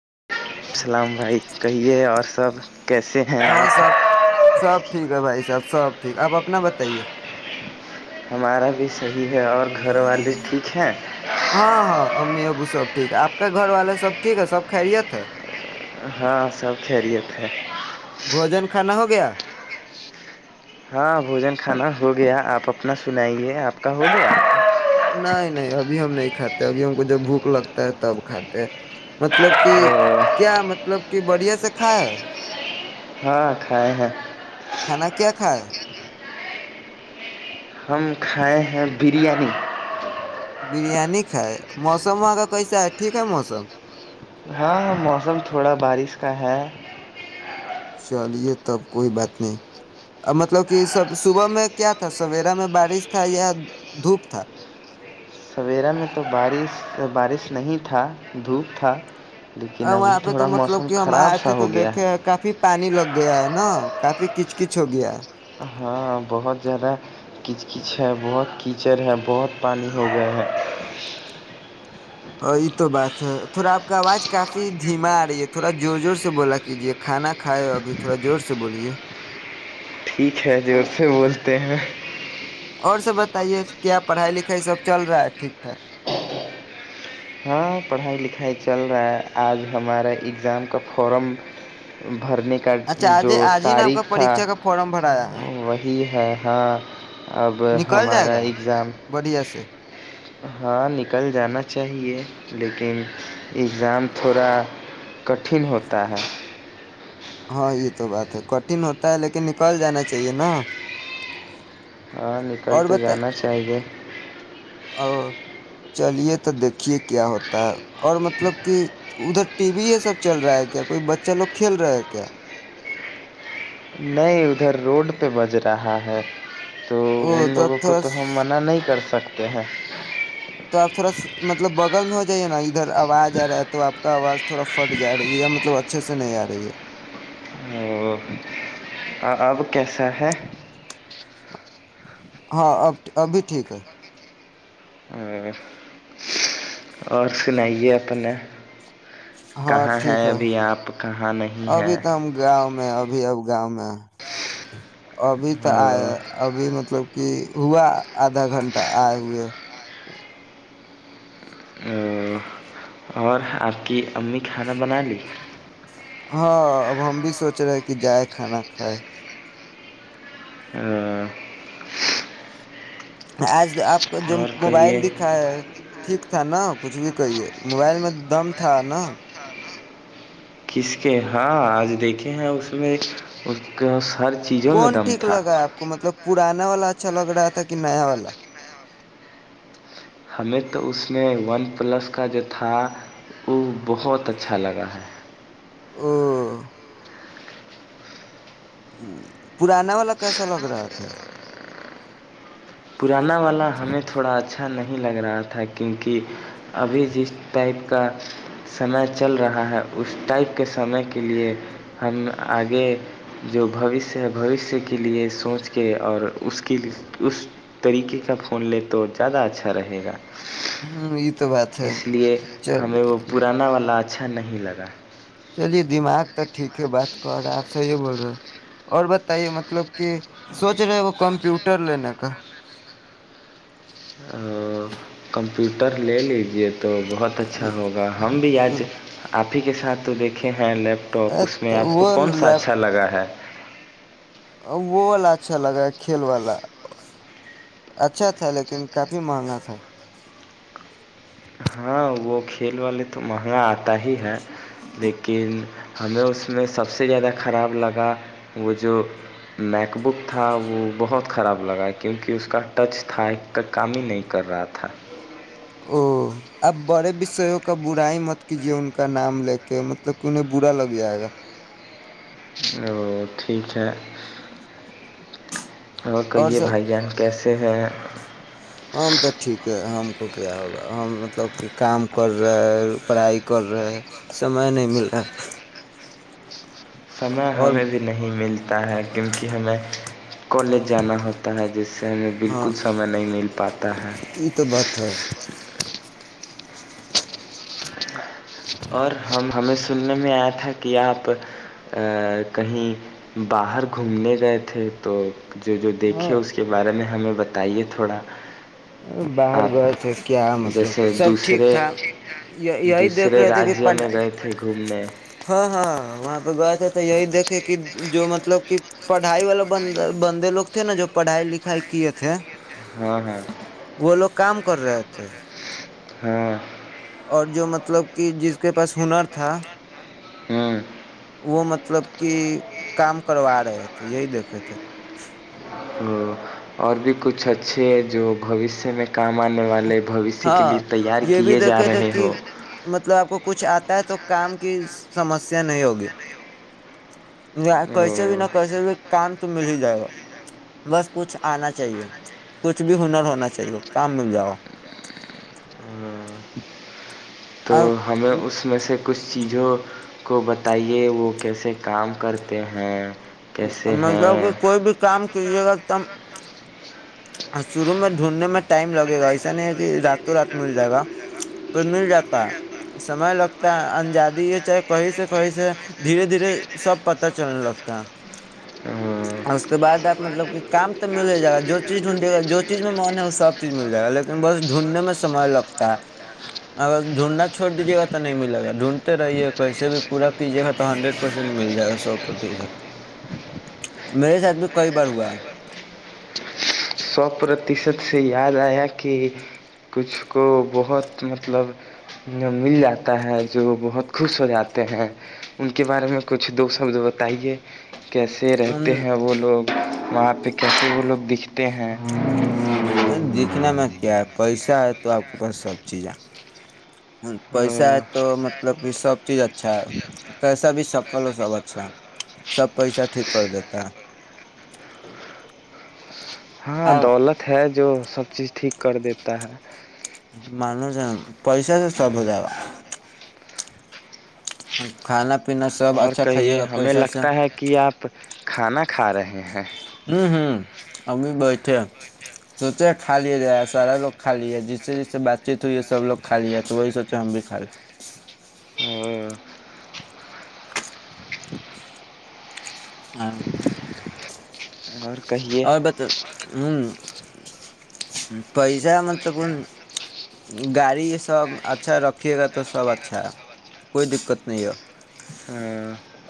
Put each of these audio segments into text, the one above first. [unintelligible] [unintelligible] سب ٹھیک آپ اپنا بتائیے ہمارا بھی صحی ٹھیک ہے اور گھر والے ٹھیک ہیں ٹھیک ہے آپ کے گھر والے سب ٹھیک ہے سب خیرییت ہے ہاں سب خریے تھ بھوجن کھانا ہو گیا ہاں بوجن کھانا ہو گیا آپ اپنا سنائیے آپ کا ہو گیا نہیں نہیں ابھی ہم نہیں کھاتے ابھی ہم کو جب بھوک لگتا ہے تب کھاتے ہیں مطلب کہ کیا م مطلب کہ بڑھیا سے کائے ہے ہاں کھائے ہیں کھانا کیا کھاائے ہم کھائے ہیں بریانی بریانی کھائے موسم وہاں کا کیسا ہے ٹھیک ہے موسم ہاں موسم تھوڑا بارش کا ہے چلیے تب کوئی بات نہیں ا مطلب کہ سب صبح میں کیا تھا سویرا میں بارش تھا یا دھوپ تھا سویرا میں تو بارش بارش نہیں تھا دھوپ تھا ا وہاں پہ تو مطلب کہ ہم آئے تھے تو دیکھے کافی پانی لگ گیا ہے نا کافی کچ کچ ہو گیا ہے ہاں بہت زیادہ کچ کچ ہے بہت کیچڑ ہے بہت پانی ہو گئے ہیں ہاں یہ تو بات ہے تھوڑا آپ کا آواز کافی دھیما آ رہی ہے تھوڑا زور زور سے بولا کیجیے کھانا کھائے ہو ابھی تھوڑا زور سے بولیے ٹھیک ہے جوور سے بولتے ہیں اور سب بتائیے کیا پڑھائی لکھائی سب چل رہا ہے ٹھیک ٹھاک ہاں پڑھائی لکھائی چل رہا ہے آج ہمارا ایگزام کا فارم بھرنے کا جو تاریخ تھا وہی ہے ہاں اب ہمارا اگزام ہاں نکل جانا لیکن ایگزام تھوڑا کٹھن ہوتا ہے ہاں یہ تو بات ہے کٹھن ہوتا ہے لیکن نکل جانا چاہیے نا ہاں نکل تو جانا چاہیے ا چلیے تو دیکھیے کیا ہوتا ہے اور مطلب کہ ادھر ٹی وی یہ سب چل رہا ہے کیا کوئی بچہ لوگ کھیل رہے ہے کیا نہیں ادھر روڈ پہ بج رہا ہے تو ان لوگوں کو تو ہم منع نہیں کر سکتے آتے ہیں تو آپ تھوڑا مطلب بغل میں ہو جائیے نا ادھر آواز آ رہا ہے تو آپ کا آواز تھوڑا پھٹ جا رہی ہے یا مطلب اچھے سے نہیں آ رہی ہے اب کیسا ہے ہاں اب اب بھی ٹھیک ہے اور سنائے اپ کہاں ہیں ابھی آپ کہاں نہیں ہیں ابھی اب گاؤں میں ابھی تو آئے ابھی مطلب کہ ہوا آدھا گھنٹہ آئے ہوئے اور آپ کی امی کھانا بنا لی ہاں اب ہم بھی سوچ رہے ہیں کہ جائے کھانا کھائے آز آپ جو موبائل دکھا ہے ٹھیک تھا نا کچھ بھی کہیے موبائل میں دم تھا نا کس کے ہاں آج دیکھے ہیں اس میں اس کا ہر چیزوں میں دم تھا پرانا والا اچھا لگ رہا تھا کہ نیا والا ہمیں تو اس میں ون پلس کا جو تھا وہ بہت اچھا لگا ہے ہ پرانا والا کیسا لگ رہا تھا پرانا والا ہمیں تھوڑا اچھا نہیں لگ رہا تھا کیونکہ ابھی جس ٹائپ کا سنا چل رہا ہے اس ٹائپ کے سامنے کے لیے ہم اگے جو بھوس ہے بھوسے کے لیے سوچ کے اور اس کی اس طریقے کا فون لے تو زیادہ اچھا رہے گا ہاں [unintelligible] اس لیے ہمیں وہ پرانا والا اا اچھا نہیں لگا چلیے دماغ تو ٹھیک ہے بات کر رہے آپ صحیح بول رہے ہو اور بتائیے مطلب کہ سوچ رہے وہ کمپیوٹر لینے کا کمپیوٹر لے لیجیے تو بہت اچھا ہوگا ہم بھی آج آپ کے سات تو دیکھے ہیں لپ لیپ ٹاپ اس میں آپ کو کون سا اچھا لگا ہے ا وہ والا اچھا لگا ہے کھیل والا اچھا تھا لیکن کافی مہنگا تھا وہ کھیل والے تو مہنگا آتا ہی ہے لیکن ہمیں اس میں سب سے زیادہ خراب لگا وہ جو میک بک تھا وہ بہت خراب لگا کیونکہ اس کا ٹچ تھا ایک کا کام ہی نہیں کر رہا تھا او آب بڑے وسیوں کا بر ہی مت کیجیے ان کا نام لے کے مطلب کہ انہیں برا لگ جائے گا او ٹھیک ہے اور کہیے بھائی جان کیسے ہیں ہم تو ٹھیک ہے ہم کو کیا ہوگا ہم مطلب کہ کام کر رہے ہے پڑھائی کر رہے سمئے نہیں مل رہا ہے سمے ہمیں بھی نہیں ملتا ہے کیونکہ ہمیں کالج جانا ہوتا ہے جیسے ہمیں بالکل سمے نہیں مل پاتا ہے اور ہم ہشہ سننے میں آیا تھا کہ آپ کہیں باہر گھومنے گئے تھے تو جو جو دیکھے اس کے بارے میں ہمیں بتا بتائیے تھوڑا باہر گئے تھے کیا مطلب سب ٹھیک تھا یہی دیکھ رہے تھے کہ پ ہاں ہاں وہاں پہ گئے تھے تو یہی دیکھے کہ جو مطلب کہ پڑھائی والا بند بندے لوگ تھے نا جو پڑھائی لکھائی کیے تھے وہ لوگ کام کر رہے تھے ہاں اور جو مطلب کہ جس کے پاس ہنر تھا وہ مطلب کہ کام کروا رہے تھے یہی دیکھے تھے اور بھی کچھ اچھے جو بوشیہ میں کام آنے والے ہاں یہ بھی دیکھے تھے کہ مطلب آپ کو کچھ آتا ہے تو کام کی سمسیا نہیں ہوگی کیسے بھی نہ کیسے بھی کام تو مل ہی جائے گا بس کچھ آنا چاہیے کچھ بھی ہنر ہونا چاہیے کام مل جا گا ہمیں اس میں سے [inaudible] کو بتائیے وہ کیسے کام کرتے ہیں مطلب کو ی بھی کام [inaudible] اور شروع میں ڈھونڈنے میں ٹائم لگے گا ایسا نہیں ہے کہ راتوں رات مل جائے گا پ مل جاتا ہے سمے لگتا ہے انزادی یہ چاہے کہیں سے کہیں سے دھیرے دھیرے سب پتہ چلنے لگتا ہے اور اس کے بعد آپ مطلب کہ کام تو مل ہی جائے گا جو چ ڈھونڈے گا جو چیز میں من ہے وہ سب چیز مل جائے گا لیکن بس ڈھونڈنے میں سمے لگتا ہے اگر ڈھونڈنا چھوڑ دیجیے گا تو نہیں ملے گا ڈھونڈتے رہیے کیسے بھی پورا پیجیے گا تو ہنڈریڈ پرسینٹ مل جائے گا سو پرتیشت میرے ساتھ بھی کئی بار ہوا سو پرتیشت سے یاد آیا کہ کچھ کو بہت مطلب مل جاتا ہے جو بہت خوش ہو جاتے ہیں ان کے بارے میں کچھ دو شبد بتائیے کیسے رہتے ہیں وہ لوگ وہاں پہ کیسے وہ لوگ دکھنے تے ہیں کیا پیسہ ہے تو آپ کے پاس سب چیز ہے پیسہ ہے تو مطلب کہ سب چیز اچھا ہے کیسا بھی سکل ہو سب اچھا سب پیسہ ٹھیک کر دیتا ہے ہاں دولت ہے جو سب چیز ٹھیک کر دیتا ہے مان ج پیسہ تو سب جب [inaudible] اور کہیے ہمیں لگتا ہے کہ آپ کھانا کھا رہے ہیں [inaudible] ہوں ہوں ہم بھی بیٹھے سوچے کھا لیا جائے سارا لوگ کھا لے جس سے جس سے بات چیت ہوئی ہے سب لوگ کھا لیا تو وہی سوچے ہم بھی کھا ل [inaudible] اور بتاو ہمم [unintelligible]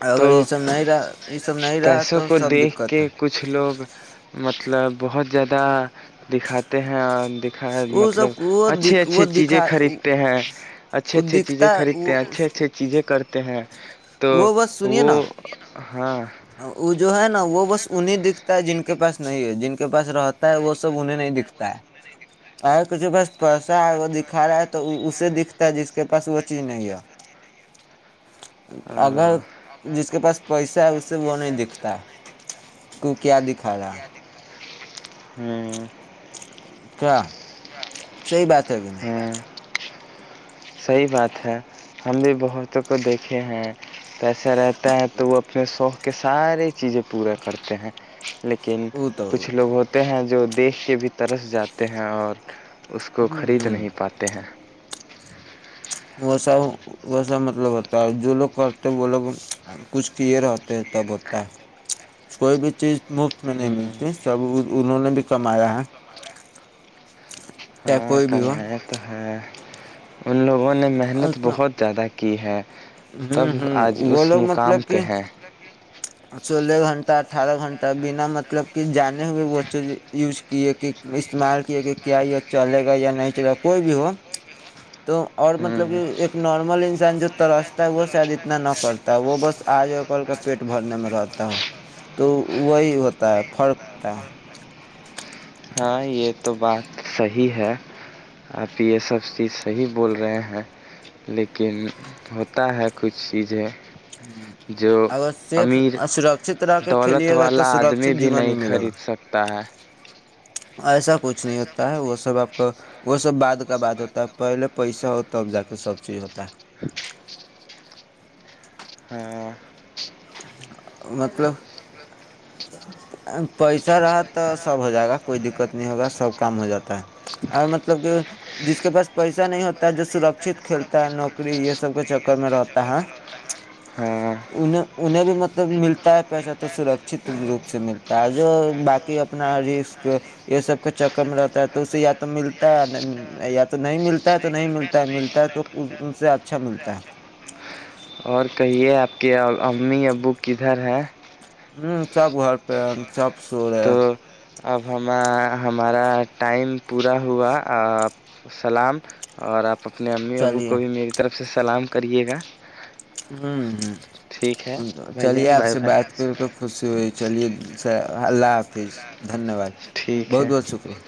اگر یہ سب نہیں رہ پیسوں کو دیکھ کے کچھ لوگ مطلب بہت زیادہ دکھاتے ہیں اور دکھا مطلب اچھی اچھی چیزیں خریدتے ہیں اچھے اچھے چیزیں خریدتے ہیں اچھے اچھے چیزیں کرتے ہیں تو وہ ہاں وہ جو ہے نا وہ بس انہیں دکھتا ہے جن کے پاس نہیں ہے جن کے پاس رہتا ہے وہ سب انہیں نہیں دکھتا ہے اگر پاس پیسہ ہے وہ دکھا رہا ہے تو اسے دکھتا ہے جس کے پاس وہ چیز نہیں ہے اگر جس کے پاس پیسہ ہے سے وہ نہیں دکھتا کو کیا دکھا رہا کیا صحی بات ہے کہ نہیں صحیح بات ہے ہم بھی بہتوں کو دیکھے ہیں پیسہ رہتا ہے تو وہ اپنے سوق کے ساری چیزیں پورا کرتے ہیں لیکن کچھ لوگ ہوتے ہیں جو جو دیکھ کے بھی طرف جاتے ہیں اور اس کو خرید نہیں پاتے ہیں ویسا ویسا مطلب ہوتا ہے جو لوگ کرتے وہ لوگ کچھ کیے رہتے ہیں تب ہوتا ہے کوئی بھی چیز مفت میں نہیں ملتی سب انہوں نے بھی کمایا ہے چاہے کولی بھی ہو نہیں تو ہے لوگوں نے محنت بہت زیادہ کی کی ہے ہوں ہوں وہ لوگ مطلب کہ سولہ گھنٹہ اٹھارہ گھنٹہ بنا مطلب کہ جانے ہوئے واچیز یوز کیے کہ استعمال کیے کہ کیا یہ چلے گا یا نہیں چلے گا کوئی بھی ہو تو اور مطلب کہ ایک نارمل انسان جو ترستا ہے وہ شاید اتنا نہ کرتا وہ بس آج اور کل کا پیٹ بھرنے میں رہتا ہو تو وہی ہوتا ہے فرتا ہے ہاں یہ تو بات صحیح ہے آپ یہ سب چیز صحیح بول رہے ہیں لیکن ہوتا ہے کچھ چیزیں ہ اگر صرف سرکچت رہ کے کھیلیے گا تو سرکچت جیون ہی ملے گا ایسا کچھ نہیں ہوتا ہے وہ سب آپ کا وہ سب بعد کا بعد ہوتا ہے پہلے پیسہ ہو تب جا کے سب چیز ہوتا ہے مطلب پیسہ رہا تو سب ہو جائے گا کوئی دقت نہیں ہوگا سب کام ہو جاتا ہے اور مطلب کہ جس کے پاس پیسہ نہیں ہوتا ہے جو سرکت کھیلتا ہے نوکری یہ سب کے چکر میں رہتا ہے ان انہیں بھی مطلب ملتا ہے پیسہ تو سرکچت روپ سے ملتا ہے جو باقی اپنا رسک یہ سب کے چکر میں رہتا ہے تو اسے یا تو ملتا ہے یا تو نہیں ملتا ہے تو نہیں ملتا ہے ملتا ہے تو ان سے اچھا ملتا ہے اور کہیے آپ کے امی ابو کدھر ہے [unintelligible] سولہ اب ہم ہمارا ٹائم پورا ہوا آپ سلام اور آپ اپنے امی ابو کو بھی میری طرف آپ سے سلام کریے گا ہمم چلیے آپ سے بات کر کے خوشی ہوئی چلیے سر اللہ حافظ دھنیہ واد بہت بہت شکریہ